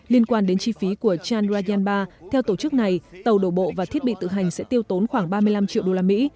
liên quan đến chi phí của chandrayan ba theo tổ chức này tàu đổ bộ và thiết bị tự hành sẽ tiêu tốn khoảng ba mươi năm triệu đô la mỹ